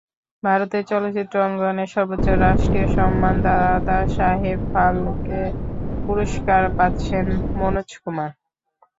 ভারতের চলচ্চিত্র অঙ্গনের সর্বোচ্চ রাষ্ট্রীয় সম্মান দাদাসাহেব ফালকে পুরস্কার পাচ্ছেন মনোজ কুমার।